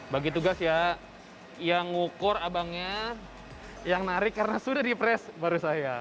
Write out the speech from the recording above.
bagi tugas ya yang mengukur abangnya yang menarik karena sudah diperes baru saya